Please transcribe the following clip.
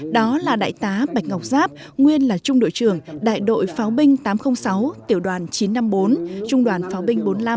đó là đại tá bạch ngọc giáp nguyên là trung đội trưởng đại đội pháo binh tám trăm linh sáu tiểu đoàn chín trăm năm mươi bốn trung đoàn pháo binh bốn mươi năm